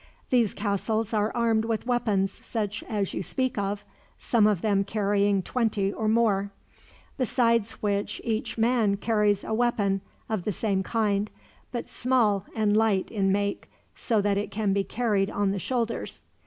These castles are armed with weapons such as you speak of, some of them carrying twenty or more; besides which each man carries a weapon of the same kind, but small and light in make, so that it can be carried on the shoulders.